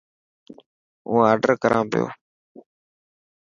هون آڊر ڪران پيو.